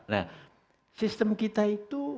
nah sistem kita itu